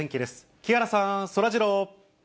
木原さん、そらジロー。